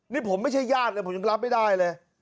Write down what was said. นี่ผมไม่ใช่ญาติเลยผมยังรับไม่ได้เลย